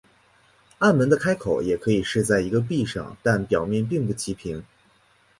暗门的开口也可以是在一个壁上但表面并不齐平。